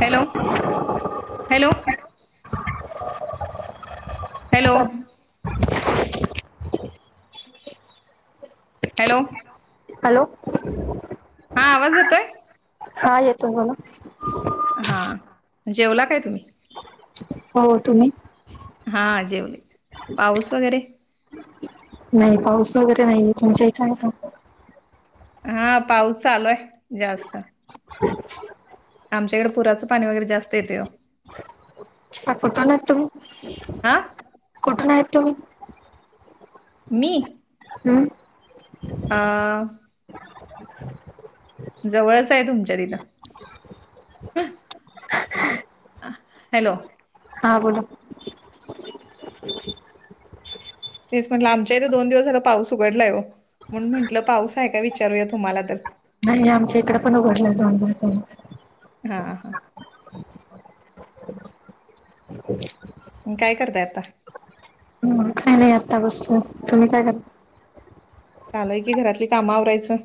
Hello hello. Hello. [unintelligible] Hello. Hello. हा आवाज येतोय. हा येतोय बोला. हा जेवला काय तुम्ही. हो तुम्ही. हा जेवले पाऊस वगैरे नाही पाऊस वगैरे नाहीये तुमच्या इथ. हा पाऊस चालूय जास्त. आमच्याकडे पुराचं पाणी वगैरे जास्त येतय ओ. आ कुठणतून हां कुठनातून मी. हम्म. आ. जवळच आहे तुमच्या तिथ. हॅलो. हा बोला. तेच म्हटलं आमच्या इथे दोन दिवस झाला पाऊस उघडला आहे म्हणून म्हटलं पाऊस आहे का विचारूया तुम्हाला तर नाही आमच्या इकडे पण उघडलं दोन दिवस झालं. हा हा. काय करताय आता. ह् खा नाही आत्ता वस्ू तुम्ही काय करता. चालुय की घरातली काम आवरायचं.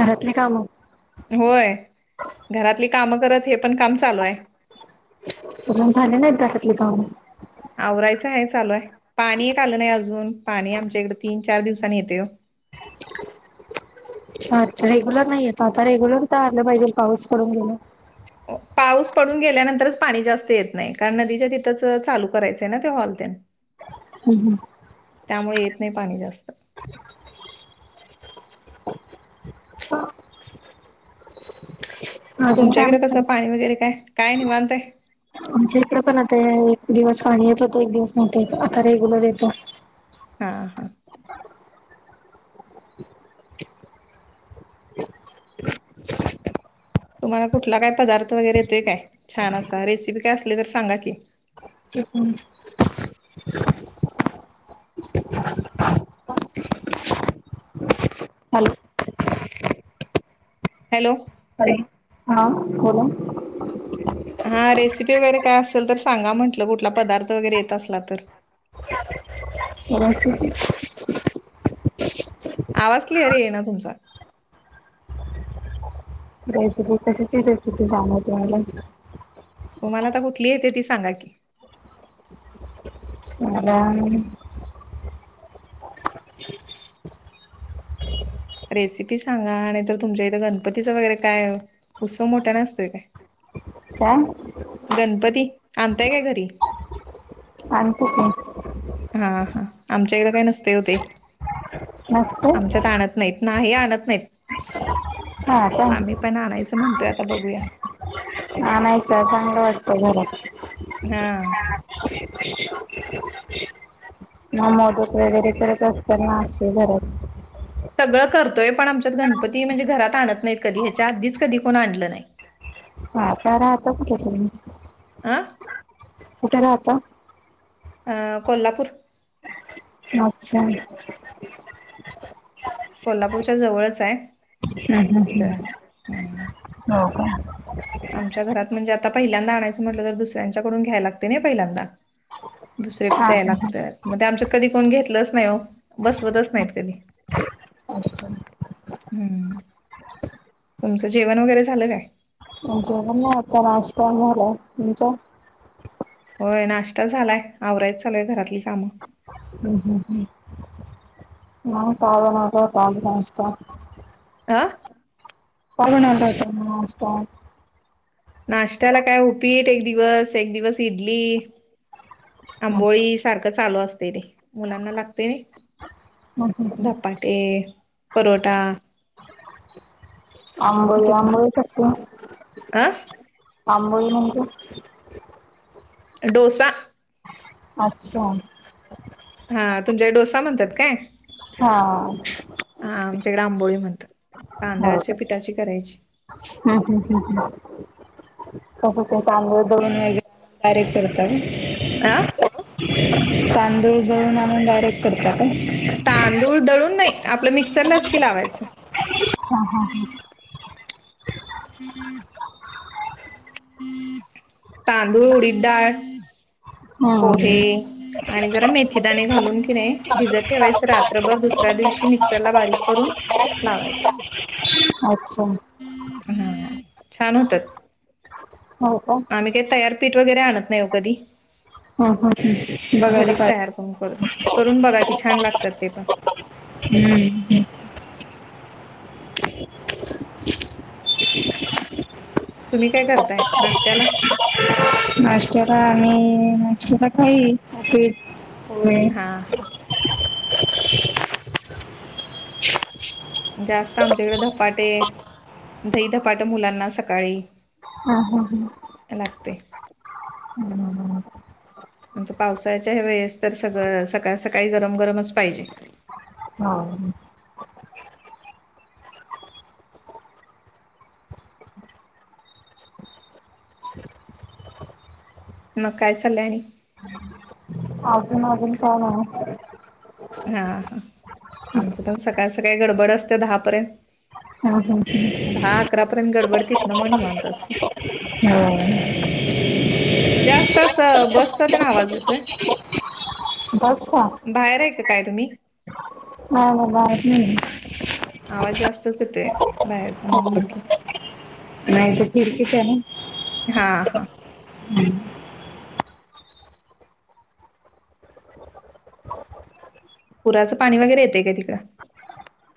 घरातले काम. होय घरातली कामं करत हे पण काम चालू आहे. पून झाले नाही घरातले गाव आवरायचं आहे चालू आहे पाणी एक आलं नाही अजून पाणी आमच्या इकडे तीन चार दिवसांनी येतय ओ. अच्छा रेग्युलर नाहीय आ आता रेग्युलर तर आलं पाहिजे पाऊस पडून गेल. पाऊस पडून गेल्यानंतरच पाणी जास्त येत नाही कारण नदीच्या तिथंच चालू करायचंय ना ते हॉलतेन [inaudible] हम् हम. त्यामुळे येत नाही पाणी जास्त अच्छा अजून तुमच्या काय इकडे कसं म्हणताय पाणी वगैरे काय काय नाही निवांत हाय. आमच्या इकडे पण आता एक दिवस पाणी येतोत एक दिवस नव्ह आता रेग्युलर येत. हा हा. तुम्हाला कुठला काय पदार्थ वगैरे येतोय काय छान असा रेसिपी काय असली तर सांगा की. तेक [unintelligible] हॅलो हॅलो. अरे हा, बोला हा रेसिपी वगैरे काय असेल तर सांगा म्हटलं, कुठला पदार्थ वगैरे येत असला तर शी [unintelligible] आवाज क्लिअरी येईना तुमचा. रेसिपी कशाची रेसिपी सांम तुम्हाला [unintelligible] तुम्हाला आता कुठली येते ती सांगा की. मला. रेसिपी सांगा नाही तर, तुमच्या इथं गणपतीचं वगैरे काय आहे उत्सम मोठ्या नसत काय? काय? गणपती, आणताय काय घरी. आणते की. हा, हा, आमच्याकडे काय नसते ओ ते, नसते आमच्यात आणत नाहीत. नाही, आणत नाहीत. हा, का आम्ही पण आनायचं नव्हतं, आता बघूया आणायचं, चांगलं वाटतं घरात. हा. मी मोदक वगैरे करत असते ना असे घरात. सगळं करतोय पण, आमच्यात गणपती म्हणजे घरात आणत नाहीत कधी ह्याच्या आधीच कधी कोण आणलं नाही. हा तर राहत कुठे तुम्ही? आं. कुटे राहता? अ, कोल्हापूर अच्छा! कोल्हापूरच्या जवळच आहे. हम्, तिथं ह्, राहते. हम्म हो का? आमच्या घरात म्हणजे, आता पहिल्यांदा आणायचं म्हटलं तर दुसऱ्यांच्याकडून घ्याय लागते नाही पहिल्यांदा. दुसरे हा द्या हं, हं, लागतात, म ते आमच्यात कधी कोण घेतलंच नाही हो बसवतच नाहीत कधी ह्, तुमचं जेवण वगैरे झालं काय? जेणन नाही आता नाष्टा झाला, तुमच? होय नाश्ता झालाय, आवरायच चालूय घरातली कामं. हम् हम् हम् का नाता पा इ [unintelligible] आ. पाघणता ना [unintelligible] नाशत्याला काय उपीट एक दिवस, एक दिवस इडली. नाश्ता आंबोळी सारखं चालू असते ते, मुलांना लागते. हं हं हं. धपाटे, परोठा अंबळी अंबळी करते, अ आंबळी म्हणजे? डोसा. अच्छा! हा, तुमच्या डोसा म्हणतात काय? हा. हा आमच्याकडे आंबोळी म्हणतात, तांदळाच्या पिठाची करायची. हम्, ह्, [unintelligible] ह कस ते तांदळ दून वगैरेर अ तांदूळ जळून आणमून डायरेक्ट [unintelligible] करत आहे [unintelligible] तांदूळ दळून नाही. आपलं मिक्सरलाच की लावायचं. ह, हा, ह तांदूळ, उडीद डाळ, पोहे हम्म. आणि जरा मेथीदाणे घालून की नाही, भिजत ठेवायच रात्रभर दुसऱ्या दिवशी मिक्सरला बारीक करून लावायचं. अच्छा. हा छान होतात. हो का. आम्ही काही तयारपीठ वगैरे आणत नाही वो कधी. ह ह बघायला पाहिजे. हो करतेय करून बघा की छान लागतात ते पण हम्म ह [inaudible] [inaudible] तुम्ही काय करताय नाशत्याला. नाष्ट्त्याला आणि नाष्ट्याला काही उपीट पोहे. हा हा. जास्त आमच्याकडे धपाटे दही धपाटे मुलांना सकाळी हा हा. लागतेय. हम् [inaudible] आता पावसाळच्या वेळेस तर सळ सकाळ सकाळी गरम गरमच पाहिजे. हा. मग काय चालं आणि [inaudible] अजून अजून का [inaudible] हा हा आमचं पण सकाळ सकाळी गडबड असते दहापर्यंत. हं हं हं. दहा अकरापर्यंत गडबड ती त ना मणी माणत असतेय. हा. जास्त अस बसचा ते ना आवाज येतोय. बसचा. बाहेर आहे का काय तुम्ही. हा बा [inaudible] आवाज जास्तच होतोय. नाही ते खिडकीचा आहे ना [inaudible] हा हा. ह [inaudible] पुराचं पाणी वगैरे येतय का तिकड [inaudible]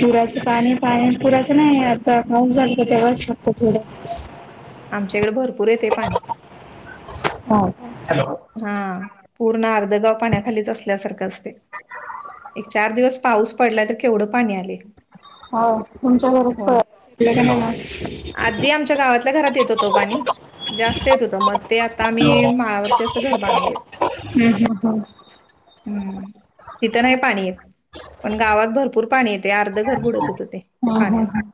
पुराचं पाणी पाणी पुराचं नाही आता पाऊस झाला तर तेव्हाच फक्त थोडं आमच्याकडे भरपूर येते पाणी. ह हा पूर्ण अर्ध गाव पाण्याखालीच असल्यासारखं असतेय. एक चार दिवस पाऊस पडला तर केवढं पाणी आलेय हो तुमच्या घरीच का [inaudible] आच्या गावातल्या घरात येत होतो पाणी जास्त येत होतं मग ते आता हॅलो आम्ही हम्म, माळा ते घर बांधलय हम्म, हम्म. हम्म. तिथं नाही पाणी यत पण गावात भरपूर पाणी येते अर्ध घर बुडत होत ते हा पाण्यान हा.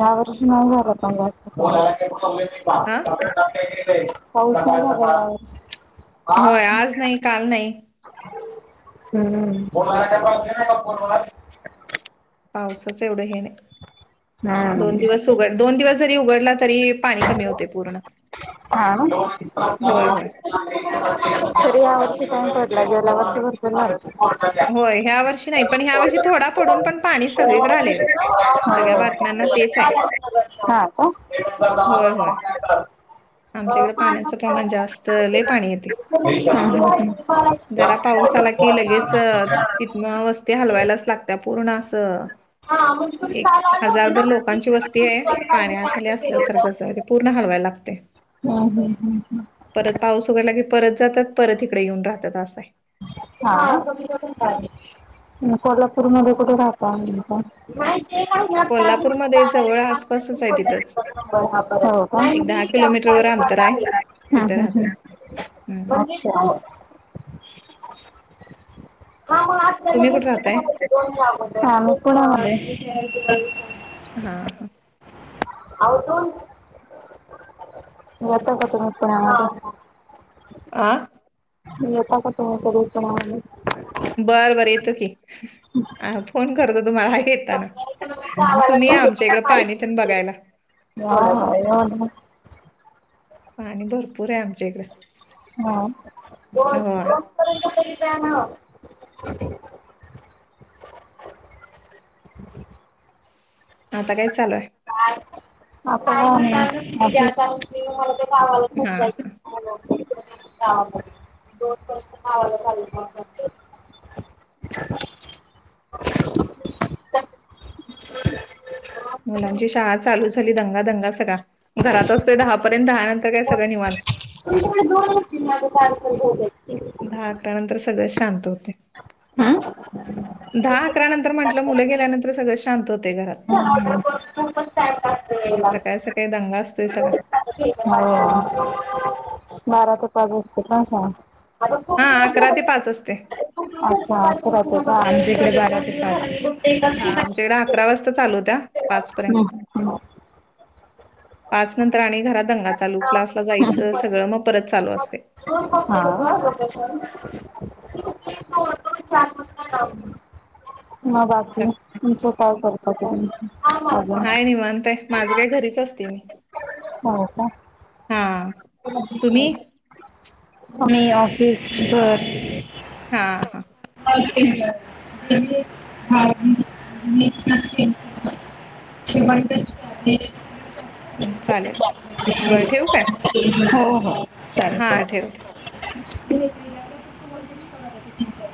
या वर्ष नाही घग [inaudible] हा होऔसा [inaudible] होय आज नाही काल नाही. हम् [inaudible] पावसाच एवढं हे नाही दोन हा दिवस उघड दोन दिवस जरी उघडला तरी पाणी कमी होते पूर्ण. हा. होय होय. [unintelligible] तरी यावर्षी एवढ्या नाही पडला गेल्यावर्षी बराच झाला. होय ह्या वर्षी नाही पण ह्या वर्षी थोडा पडून पण पाणी सगळीच राहिले सगळ्या भात. हा होय होय का? आमच्याकडे अ. पाण्याचं प्रमाण जास्त लय पाणी [unintelligible] येते. ह जरा पाऊस आला की लगेच [unintelligible] तिथनं वस्ती हलवायलाच लागत पूर्ण अस. हु [unintelligible] हजारभर लोकांची वस्ती आहे पाण्याखाली असल्यासारखंच ते पूर्ण हलवायला लागते. हम्म, हम्म हम्म हा. परत पाऊस वगैरे ला के परत जातात परत इकडे येऊन राहतात असां आहे. कोल्हापूरमध्येध्ये कुठे राहत. नाही ते [unintelligible] कोल्हापूरमध्ये जवळ आसपासच आहे तिथंच एक दहा किलोमीटर वर अंतर [unintelligible] हा हा हम हम्. अच्छा. हा मग तुम्ही कुठे राहताय? आपल्यालाॅम [unintelligible] हा हां. अ तो. येता क तम प. आ. येता का तु्ही तरीच. बर बरं येतो की फोन करतो तुम्हाला येताना. पण यायचं म्हणजे गावाला तुम्ही या तरी आमच्या मला इकडं पाणी पण पाहिजे. बघायला. हा [unintelligible] पाणी भरपूर आहे आमच्या इकडे हा. दोन- होय. [unintelligible] आता काय चालूय? [unintelligible] त्या मला ते आहे हा गावाला खूप जायच गावा. दोन तर् खवायला चालू. [unintelligible] मुलांची शाळा चालू झाली दंगा दंगा सगळा घरात असतोय दहापर्यंत दहा नंतर काय सगळं निवांत. दोती ना. [unintelligible] दहा अकरा नंतर सगळे शांत होते. आ. दहा अकरा नंतर म्हटलं मुलं गेल्यानंतर सगळें शांत होते घरात. ऑर्डर करून पण टाइम लागतो यायला सकाळी सकाळी दंगा असतोय सगळा. अ बारा ते पाच वाजते का सांग. आता पू हा दि. अकरा ते पाच असते अच्छा आ राहतो का आमकडे बार का. हा आमच्याकडे अकरा वाजता चालू होत्या पाचपर्यंत. पाच नंतर आणि घरात दंगा चालू क्लासला जायचं सगळं मग परत चालू असते. हा. करतेस. मग. तुमचं काय करतात. हाय निवांत आहे माझं काय घरीच असते मी हो का. हा तुम्ही. आम्ही ऑफिस भर. हा हा [unintelligible] [unintelligible] श्रीमंत [unintelligible] चालेल. बरं ठेवू काय हो हो. हा चालेल ठेव ते. हो